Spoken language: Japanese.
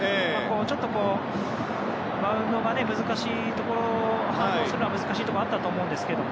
ちょっと、バウンドが難しいところ反応するのが難しいところがあったと思うんですけど。